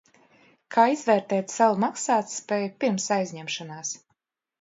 Kā izvērtēt savu maksātspēju pirms aizņemšanās?